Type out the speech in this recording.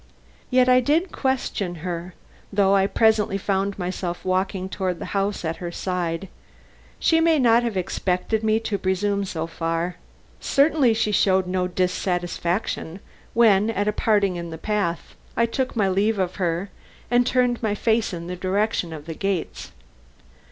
Yet I did question her, though I presently found myself walking toward the house at her side. She may not have expected me to presume so far. Certainly she showed no dissatisfaction when, at a parting in the path, I took my leave of her and turned my face in the direction of the gates.